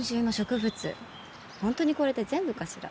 本当にこれで全部かしら？